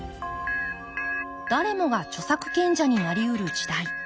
誰もが著作権者になりうる時代。